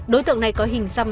đối tượng này có hình xăm